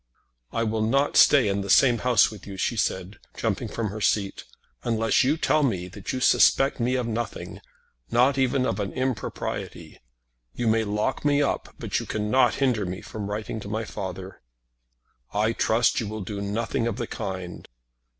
"I will not stay in the same house with you," she said, jumping up from her seat, "unless you tell me that you suspect me of nothing not even of an impropriety. You may lock me up, but you cannot hinder me from writing to my father." "I trust you will do nothing of the kind."